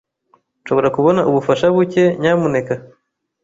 Nshobora kubona ubufasha buke, nyamuneka?